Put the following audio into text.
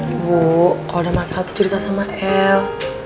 ibu kalau ada masalah tuh cerita sama el